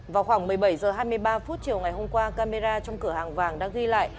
vào khoảng một mươi bảy h hai mươi ba phút chiều ngày hôm qua camera trong cửa hàng vàng đã ghi lại